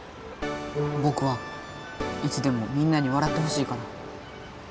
ぼくはいつでもみんなにわらってほしいから。